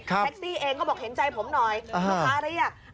แท็กซี่เองก็บอกเห็นใจผมหน่อยลูกค้าเรียก